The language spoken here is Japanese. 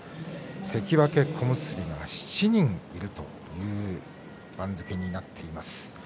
関脇、小結が７人いるという番付になっています。